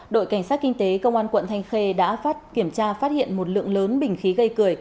đội cảnh sát kinh tế công an quận thanh khê đã kiểm tra phát hiện một lượng lớn bình khí gây cười